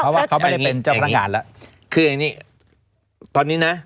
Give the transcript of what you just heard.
เพราะว่าเขาไม่ได้เป็นเจ้าพนักงานแล้วคืออย่างนี้ตอนนี้นะ